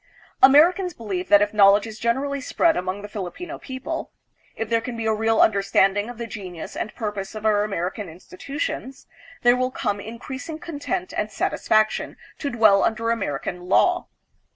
Americans believe that if knowledge is generally spread among the Filipino people, if there can be a real under standing of the genius and purpose of our American insti tutions, there will come increasing content and satisfac AMERICA AND THE PHILIPPINES. 315 tion to dwell under American law.